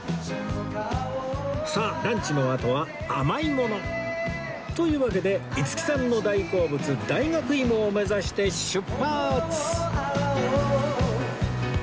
さあランチのあとは甘いものというわけで五木さんの大好物大学芋を目指して出発！